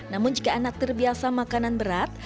namun jika anak terbiasa makanan berat